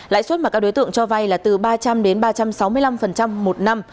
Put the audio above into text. lãi suất mà các đối tượng cho vay là từ ba trăm linh đến ba trăm sáu mươi năm một năm